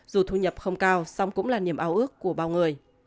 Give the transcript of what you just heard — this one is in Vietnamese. dù thu nhập không cao song cũng là niềm áo ước của bao người